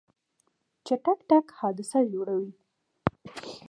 چټک تګ حادثه جوړوي.